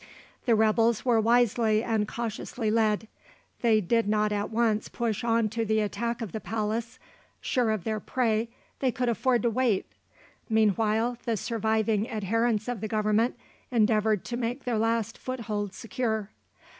The rebels were wisely and cautiously led. They did not at once push on to the attack of the palace; sure of their prey they could afford to wait. Meanwhile the surviving adherents of the Government endeavoured to make their last foothold secure.